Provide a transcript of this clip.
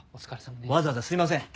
わざわざすいません